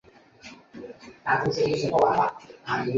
晚上在球会设在圣塞瓦斯蒂安的总部进行训练。